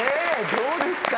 どうですか！